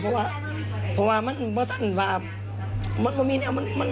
เพราะว่ามันบ้าเต้นบาบมันไห่บออกเหมือนไห่บออก